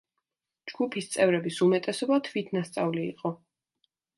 ჯგუფის წევრების უმეტესობა თვითნასწავლი იყო.